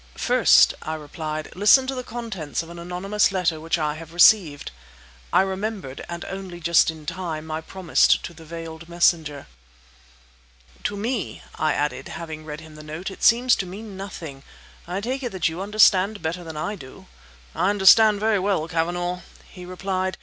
"First," I replied, "listen to the contents of an anonymous letter which I have received." (I remembered, and only just in time, my promise to the veiled messenger.) "To me," I added, having read him the note, "it seems to mean nothing. I take it that you understand better than I do." "I understand very well, Cavanagh!" he replied.